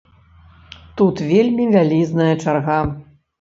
Тут вельмі вялізная чарга.